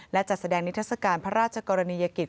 และจัดแสดงนิทัศกาลพระราชกรณียกิจ